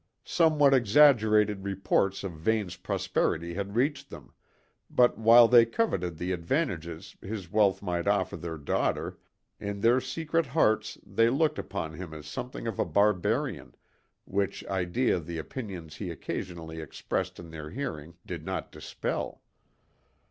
Somewhat exaggerated reports of Vane's prosperity had reached them; but while they coveted the advantages his wealth might offer their daughter, in their secret hearts they looked upon him as something of a barbarian, which idea the opinions he occasionally expressed in their hearing did not dispel.